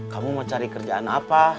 kamu mau cari kerjaan apa